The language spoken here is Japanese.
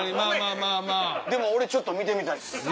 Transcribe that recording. でも俺ちょっと見てみたいっす。